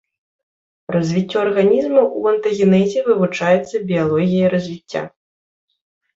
Развіццё арганізма ў антагенезе вывучаецца біялогіяй развіцця.